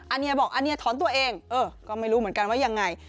อันนี้บอกอันนี้ถอนตัวเองเออก็ไม่รู้เหมือนกันว่ายังไง